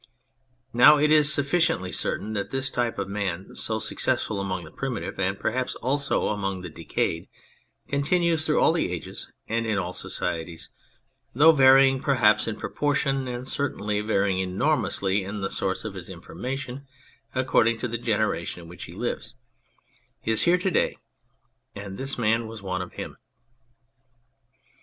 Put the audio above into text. Now it is sufficiently certain that this type of man, so success ful among the primitive, and perhaps also among the decayed, continues through all ages and in all societies, though varying perhaps in proportion, and certainly varying enormously in the source of his information according to the generation in which he lives, is here to day ; and this man was one of him.